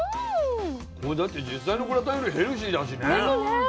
これだって実際のグラタンよりヘルシーだしね。ですね。